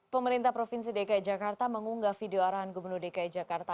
pemerintah provinsi dki jakarta mengunggah video arahan gubernur dki jakarta